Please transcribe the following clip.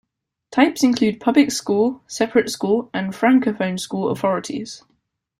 Types include public school, separate school and francophone school authorities.